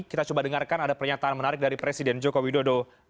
kita coba dengarkan ada pernyataan menarik dari presiden joko widodo